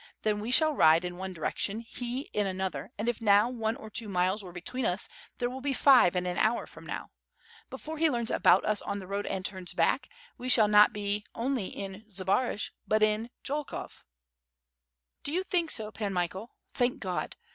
Then we shall ride in one direction, he in another, and if now one or two miles were between us, there will be five in an hour from now. Before he learns about us on the road and turns back, we shall be not only in Zbaraj but in Jolkov.'^ "Do you think so. Pan Michael? Thank God.